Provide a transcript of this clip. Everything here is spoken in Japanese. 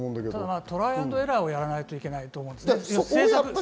トライ＆エラーはやらないといけないと思います。